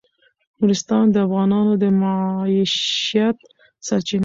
نورستان د افغانانو د معیشت سرچینه ده.